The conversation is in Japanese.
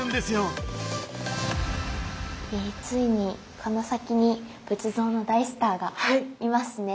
ついにこの先に仏像の大スターがいますね。